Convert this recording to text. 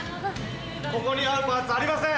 ここにあるパーツありません！